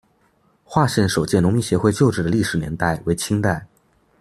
化县首届农民协会旧址的历史年代为清代。